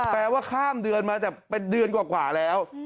แปลว่าข้ามเดือนมาแต่เป็นเดือนกว่าแล้ว